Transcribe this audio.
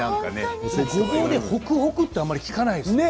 ごぼうで、ほくほくってあまり聞かないですね。